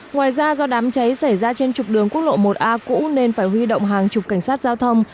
ngoài ra do đám cháy xảy ra trên trục đường quốc lộ một a cũ nên phải huy động hàng chục cảnh sát giao thông